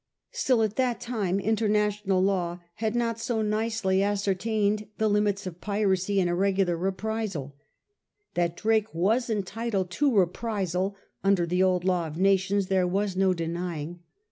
Still at that time International Law had not so nicely ascertained the limits of piracy and irregular reprisal. That Drake was entitled to reprisal under the old Law of Nations, there was no denying.